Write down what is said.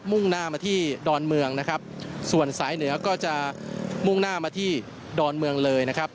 ่งหน้ามาที่ดอนเมืองนะครับส่วนสายเหนือก็จะมุ่งหน้ามาที่ดอนเมืองเลยนะครับ